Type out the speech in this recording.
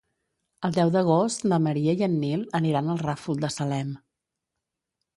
El deu d'agost na Maria i en Nil aniran al Ràfol de Salem.